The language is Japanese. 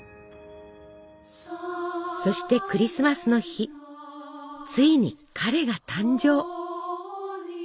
そしてクリスマスの日ついに「彼」が誕生！